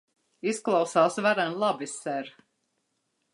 Izklausās varen labi, ser.